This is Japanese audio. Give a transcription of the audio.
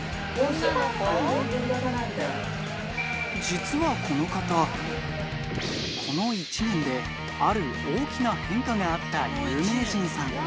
実はこの方、この１年である大きな変化があった有名人さん。